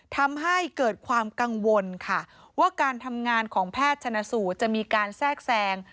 ทำให้เกิดความกังวลค่ะว่าการทำงานของแพทย์ชนสูตรจะมีการแทรกแทรง